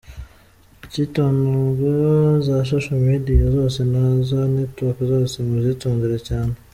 Ikitonderwa : za social media zose naza network zose muzitondere cyane.